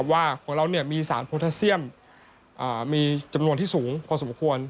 ว่าของเรามีสารโพทาเซียมมีจำนวนที่สูงพอสมควร